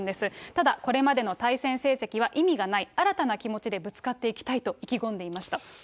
ただ、これまでの対戦成績は意味がない、新たな気持ちでぶつかっていきたいと意気込んでいました。